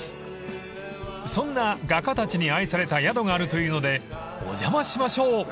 ［そんな画家たちに愛された宿があるというのでお邪魔しましょう］